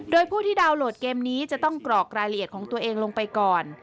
โดยผู้ที่ดาวนโหลดเกมนี้จะต้องกรอกรายละเอียดของตัวเองลงไปก่อน